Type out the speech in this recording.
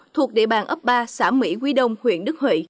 thuộc địa bàn ấp ba xã mỹ quý đông huyện đức huệ